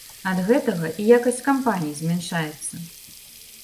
Ад гэтага і якасць кампаніі змяншаецца.